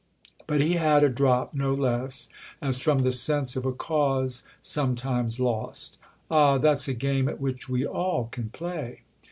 But he had a drop, no less, as from the sense of a cause sometimes lost. "Ah, that's a game at which we all can play!"